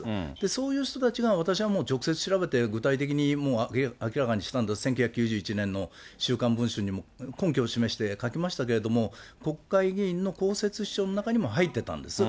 そういう人たちが私はもう直接調べて具体的にもう明らかにしたんで、１９９１年の週刊文春にも根拠を示して書きましたけれども、国会議員の公設秘書の中にも入ってたんです。